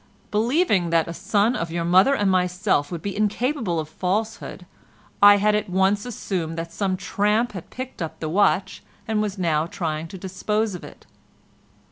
"Believing that a son of your mother and myself would be incapable of falsehood I at once assumed that some tramp had picked the watch up and was now trying to dispose of it."